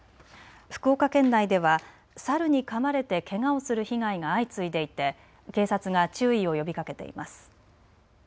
福岡県内ではサルにかまれてけがをする被害が相次いでいて警察が注意を呼びかけています。